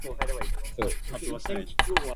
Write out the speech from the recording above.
Viral diseases include canine distemper and influenza.